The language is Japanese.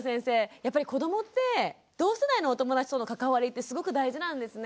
やっぱり子どもって同世代のお友達との関わりってすごく大事なんですね。